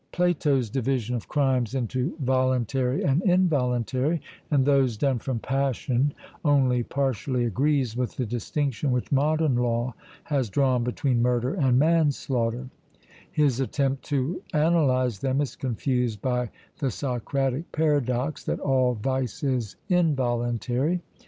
Plato's division of crimes into voluntary and involuntary and those done from passion, only partially agrees with the distinction which modern law has drawn between murder and manslaughter; his attempt to analyze them is confused by the Socratic paradox, that 'All vice is involuntary'...